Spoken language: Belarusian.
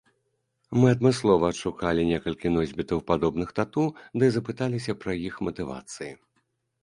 Мы адмыслова адшукалі некалькіх носьбітаў падобных тату ды запыталіся пра іх матывацыі.